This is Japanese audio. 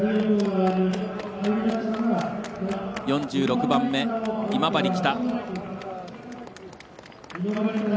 ４６番目、今治北。